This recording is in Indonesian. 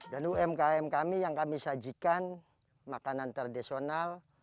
dan umkm kami yang kami sajikan makanan tradisional